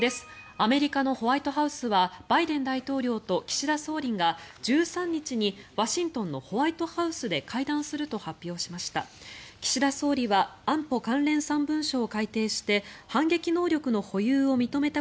アメリカのホワイトハウスはバイデン大統領と岸田総理が１３日にワシントンのホワイトハウスで会談すると発表しました。